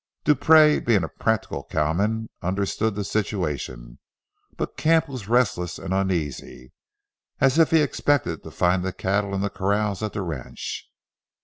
Dupree, being a practical cowman, understood the situation; but Camp was restless and uneasy as if he expected to find the cattle in the corrals at the ranch.